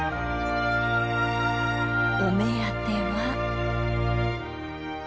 お目当ては。